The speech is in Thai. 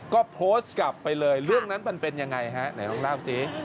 ก็โพสต์กลับไปเลยเรื่องนั้นมันเป็นยังไงฮะไหนลองเล่าสิ